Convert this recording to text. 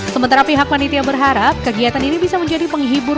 sementara pihak panitia berharap kegiatan ini bisa menjadi penghibur